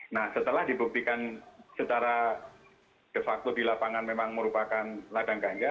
nah setelah dibuktikan secara de facto di lapangan memang merupakan ladang ganja